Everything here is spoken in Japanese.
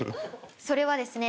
それはですね